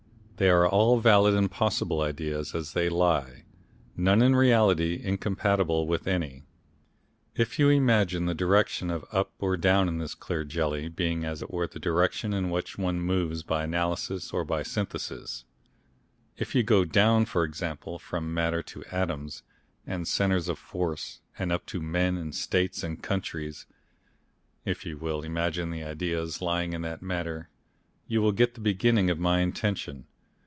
They are all valid and possible ideas as they lie, none in reality incompatible with any. If you imagine the direction of up or down in this clear jelly being as it were the direction in which one moves by analysis or by synthesis, if you go down for example from matter to atoms and centres of force and up to men and states and countries if you will imagine the ideas lying in that manner you will get the beginning of my intention.